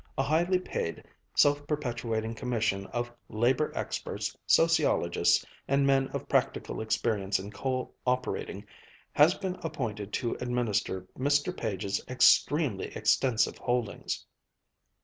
A highly paid, self perpetuating commission of labor experts, sociologists, and men of practical experience in coal operating has been appointed to administer Mr. Page's extremely extensive holdings.